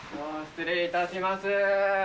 失礼いたします。